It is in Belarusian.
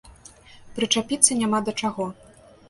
Прычапіцца няма да чаго.